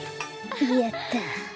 やった。